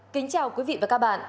kính chào quý vị và các bạn